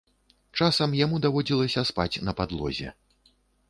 Часам яму даводзілася спаць на падлозе.